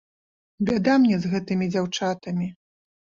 Бяда мне з гэтымі дзяўчатамі!